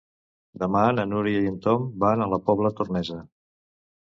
Demà na Núria i en Tom van a la Pobla Tornesa.